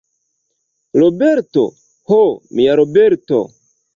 Roberto, ho, mia Roberto!